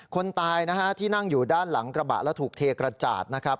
คนตายนะฮะที่นั่งอยู่ด้านหลังกระบะแล้วถูกเทกระจาดนะครับ